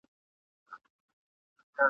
ستا د تروم له بد شامته جنګېدله !.